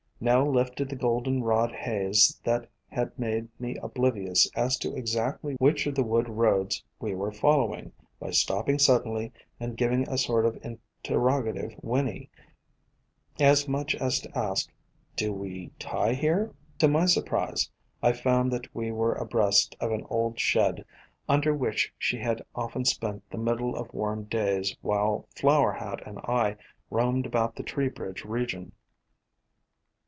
Nell lifted the Goldenrod haze that had made me oblivious as to exactly which of the wood roads we were following, by stopping suddenly and giving a sort of interrogative whinny, as much as to ask, "Do we tie here?" To my surprise I found that we were abreast of an old shed, under which she had often spent the middle A COMPOSITE FAMILY 253 of warm days while Flower Hat and I roamed about the Tree bridge region.